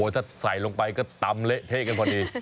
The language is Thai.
ถ้าใส่ลงไปก็ตำเละเทะกันพอดี